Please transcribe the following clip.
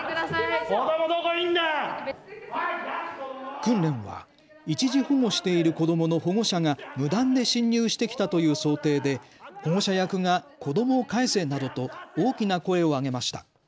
訓練は一時保護している子どもの保護者が無断で侵入してきたという想定で保護者役が子どもを返せなどと大きな声を上げました。